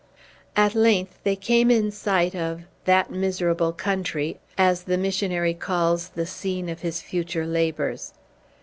At length they came in sight of "that miserable country," as the missionary calls the scene of his future labors.